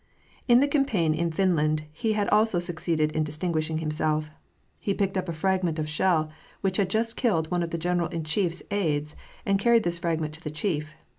In the campaign in Finland, he had also succeeded in dis tinguishing himself. He picked up a fragment of shell which had just killed one of the general in chief's aides, and carried this fragment to the chief.